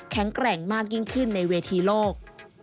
แกร่งมากยิ่งขึ้นในเวทีโลก